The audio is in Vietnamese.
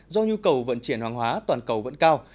do nhu cầu vận chuyển hàng hóa toàn cầu vẫn cao